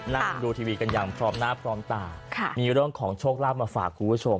นั่งดูทีวีกันอย่างพร้อมหน้าพร้อมตามีเรื่องของโชคลาภมาฝากคุณผู้ชม